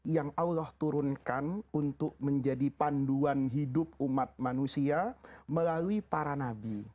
yang allah turunkan untuk menjadi panduan hidup umat manusia melalui para nabi